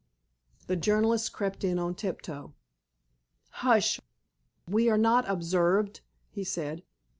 The journalist crept in on tiptoe. "Hush! We are not observed," he said.